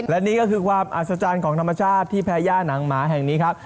และนี่ก็คือความอัศจรรย์ของธรรมชาติที่แพ้ย่าหนังหมาแห่งนี้ครับ